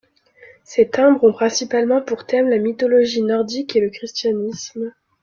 Ses timbres ont principalement pour thème la mythologie nordique et le christianisme.